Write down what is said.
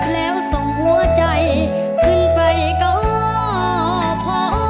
แล้วส่งหัวใจขึ้นไปก็พอ